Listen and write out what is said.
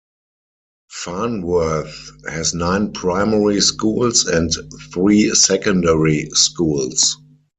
Farnworth has nine primary schools and three secondary schools.